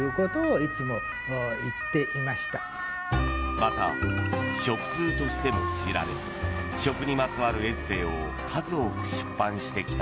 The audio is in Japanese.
また、食通としても知られ食にまつわるエッセーを数多く出版してきた。